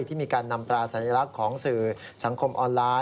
ที่มีการนำตราสัญลักษณ์ของสื่อสังคมออนไลน์